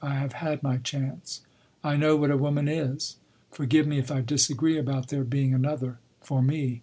I have had my chance. I know what a woman is. Forgive me if I disagree about there being another—for me.